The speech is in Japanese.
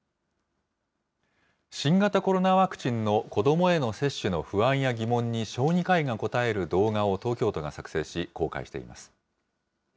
新型コロナワクチンの子どもへの接種の不安や疑問に小児科医が答える動画を東京都が作成し、公開しています。